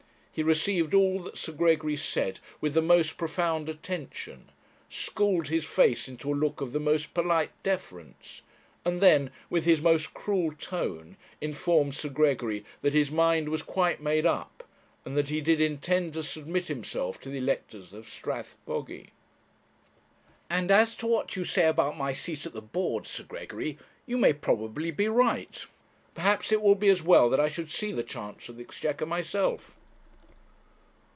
He received all that Sir Gregory said with the most profound attention; schooled his face into a look of the most polite deference; and then, with his most cruel tone, informed Sir Gregory that his mind was quite made up, and that he did intend to submit himself to the electors of Strathbogy. 'And as to what you say about my seat at the board, Sir Gregory, you may probably be right. Perhaps it will be as well that I should see the Chancellor of the Exchequer myself.'